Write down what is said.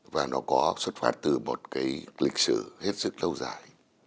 và nó có xuất phát từ một cái lịch sử hết sức lâu dài